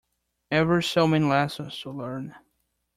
Ever so many lessons to learn!